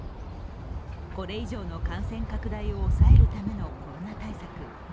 これ以上の感染拡大を抑えるためのコロナ対策。